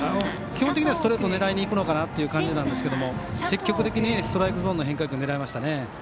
基本的にはストレート狙いにいくのかなという感じですが積極的にストライクゾーンの変化球を狙いましたね。